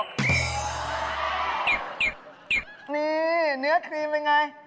นี่เนื้อครีมเป็นไง